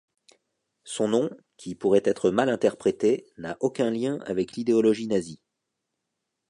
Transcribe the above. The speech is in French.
Son nom, qui pourrait être mal interprété, n'a aucun lien avec l'idéologie nazie.